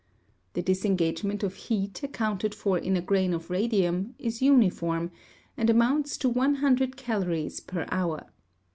The disengagement of heat accounted for in a grain of radium is uniform, and amounts to 100 calories per hour.